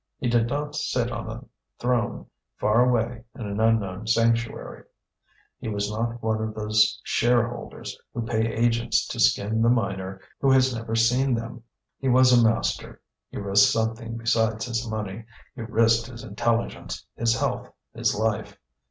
He did not sit on a throne far away in an unknown sanctuary; he was not one of those shareholders who pay agents to skin the miner who has never seen them; he was a master, he risked something besides his money, he risked his intelligence, his health, his life.